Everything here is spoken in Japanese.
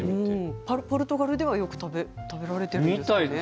ポルトガルではよく食べられているようですね。